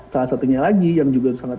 salah satunya lagi yang juga sangat